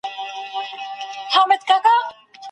بېرته هغې کوچنۍ سیارې ته ولاړه شوه چې له هغې راغلې وه.